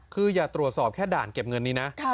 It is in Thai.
คืออย่าตรวจสอบแค่ด่านเก็บเงินนี้นะ